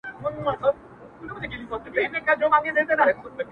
o داسي ژوند هم راځي تر ټولو عزتمن به يې ـ